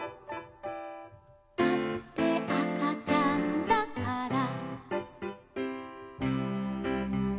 「だってあかちゃんだから」